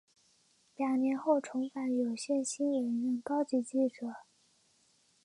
两年后重返有线新闻任高级记者。